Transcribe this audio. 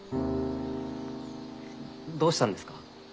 どうしたんですか？